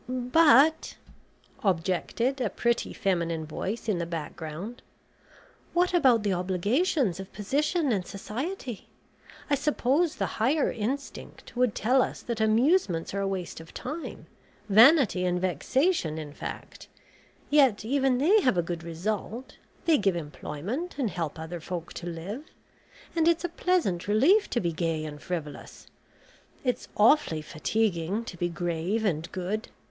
"But," objected a pretty feminine voice in the back ground, "what about the obligations of position and society? I suppose the `higher instinct' would tell us that amusements are a waste of time vanity and vexation in fact yet even they have a good result, they give employment, and help other folk to live. And it's a pleasant relief to be gay and frivolous. It's awfully fatiguing to be grave and good.